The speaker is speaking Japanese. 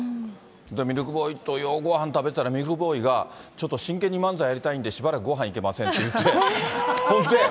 ミルクボーイとようごはん食べてたら、ミルクボーイがちょっと真剣に漫才やりたいんでしばらくごはん行けませんって言って。